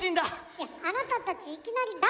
いやあなたたちいきなり誰？